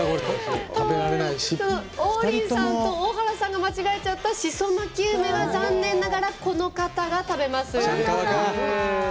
王林さんと大原さんが間違えてしまったしそ巻梅は残念ながらこの方が食べます。